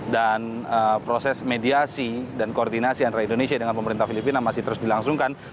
dan proses mediasi dan koordinasi antara indonesia dengan pemerintah filipina masih terus dilangsungkan